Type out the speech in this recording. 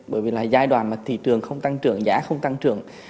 bởi vì là giai đoạn mà thị trường không tăng trưởng giá không tăng trưởng